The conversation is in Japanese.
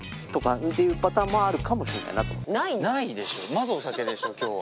まずお酒でしょ今日は。